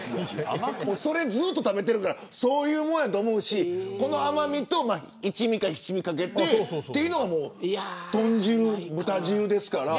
それをずっと食べているからそういうもんやと思うしこの甘みと一味か七味をかけて豚汁ですから。